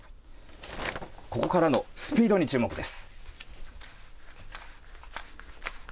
ここからのスピードに注目です。